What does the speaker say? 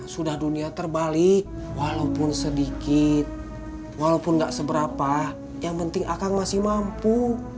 sudah dunia terbalik walaupun sedikit walaupun nggak seberapa yang penting akan masih mampu